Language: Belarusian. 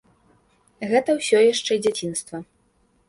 Гэта ўсё яшчэ дзяцінства.